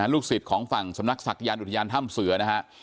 ลูกศิษย์ของฝั่งสำนักศักยานอุทยานถ้ำเสือนะฮะ